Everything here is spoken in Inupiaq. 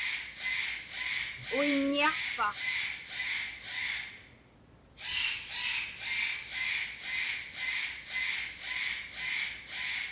Uiññiaqpa?